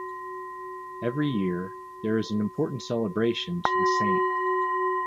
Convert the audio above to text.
Every year, there is an important celebration to the Saint.